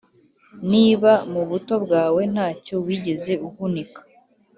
Niba mu buto bwawe nta cyo wigeze uhunika,